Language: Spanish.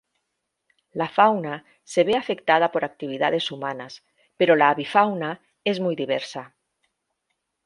La fauna se ve afectada por actividades humanas, pero la avifauna es muy diversa.